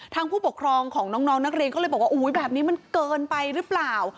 ผู้ปกครองของน้องนักเรียนก็เลยบอกว่าอุ๊ยแบบนี้มันเกินไปหรือเปล่า